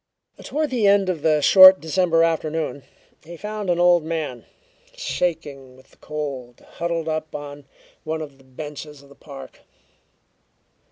Toward the end of the short December afternoon, he found an old man, shaking with the cold, huddled up on one of the benches of the park.